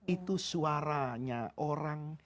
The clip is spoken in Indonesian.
itu suaranya orang